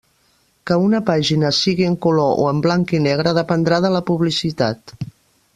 Que una pàgina sigui en color o en blanc i negre dependrà de la publicitat.